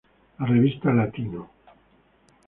La revista "Latino!